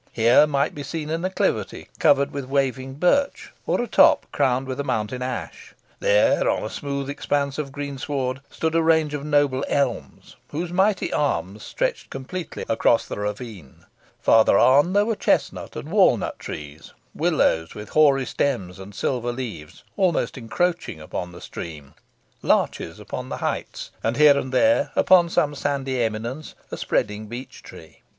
Here might be seen an acclivity covered with waving birch, or a top crowned with a mountain ash there, on a smooth expanse of greensward, stood a range of noble elms, whose mighty arms stretched completely across the ravine. Further on, there were chestnut and walnut trees; willows, with hoary stems and silver leaves, almost encroaching upon the stream; larches upon the heights; and here and there, upon some sandy eminence, a spreading beech tree.